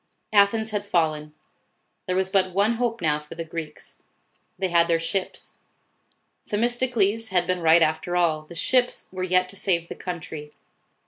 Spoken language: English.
Athens had fallen. There was but one hope now for the Greeks, They had their ships. Themis tocles had been right after all. The ships were yet to save the country.